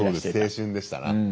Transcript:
青春でしたな。